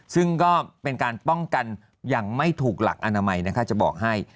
ซึ่งก็เป็นการป้องกันอย่างไม่ถูกหลักอนามัยนะคะจะบอกให้